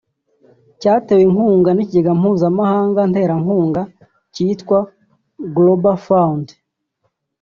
cyatewe inkunga n’ikigega Mpuzamahanga nterankunga cyitwa “Global Fund’’